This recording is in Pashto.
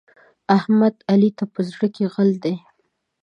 احمد؛ علي ته په زړه کې غل دی.